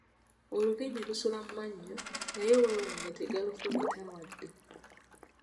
Olulimi lusula mu mannyo naye weewuunye tegalufumita wadde.